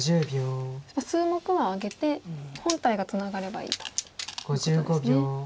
数目はあげて本体がツナがればいいということですね。